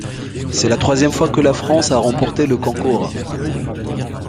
C'est la troisième fois que la France a remporté le concours.